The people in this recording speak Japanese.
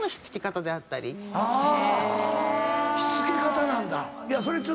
しつけ方なんだ。